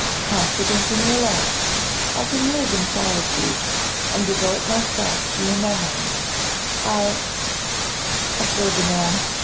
Confident in your love, I can live in solitude, and devote myself to your memory, I O Ferdinand!